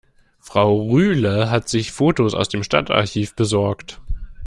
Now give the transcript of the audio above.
Frau Rühle hat sich Fotos aus dem Stadtarchiv besorgt.